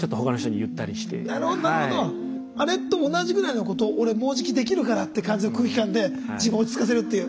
あれと同じぐらいのこと俺もうじきできるからって感じの空気感で自分を落ち着かせるっていう。